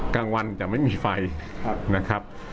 กลางวันจะไม่มีไฟนะครับ